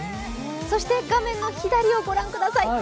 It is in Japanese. そして画面の左をご覧ください。